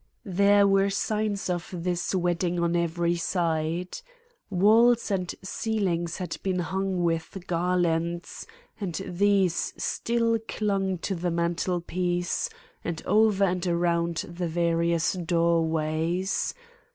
There were signs of this wedding on every side. Walls and ceilings had been hung with garlands, and these still clung to the mantelpiece and over and around the various doorways.